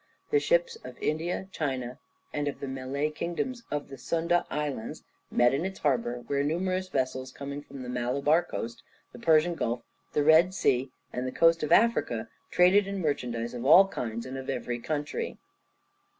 The ships of India, China, and of the Malay kingdoms of the Sunda Islands, met in its harbour, where numerous vessels coming from the Malabar coast, the Persian Gulf, the Red Sea, and the coast of Africa traded in merchandise of all kinds and of every country.